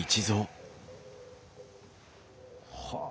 はあ。